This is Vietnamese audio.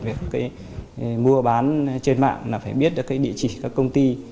về cái mua bán trên mạng là phải biết được cái địa chỉ các công ty